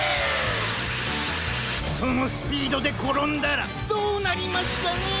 そのスピードでころんだらどうなりますかねえ。